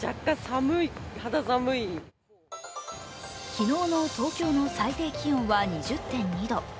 昨日の東京の最低気温は２０．２度。